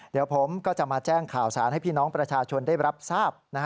เดี๋ยวผมก็จะมาแจ้งข่าวสารให้พี่น้องประชาชนได้รับทราบ